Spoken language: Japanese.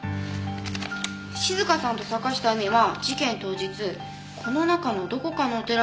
静香さんと坂下海は事件当日この中のどこかのお寺で会っていた。